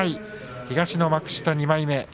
東の幕下２枚目。